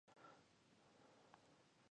د کبانو روزنې فارمونه په لغمان کې جوړ شوي دي.